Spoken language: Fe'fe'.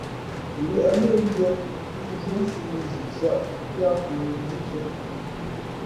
Liēʼ lə̌ndʉ̄ᾱ, pʉ̌nzhwē mfʉ̌ mēnzhi nsάʼ piá nkə̌ zúzᾱ.